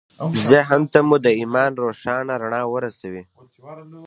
ذهن ته مو د ایمان روښانه رڼا ورسوئ